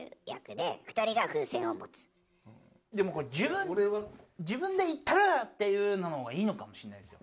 でもこれ自分自分でいったる！！っていう方がいいのかもしれないですよ。